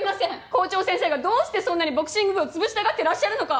校長先生がどうしてそんなにボクシング部を潰したがってらっしゃるのか。